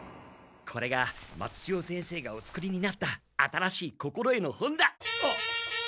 これが松千代先生がお作りになった新しい心得の本だ！あっ。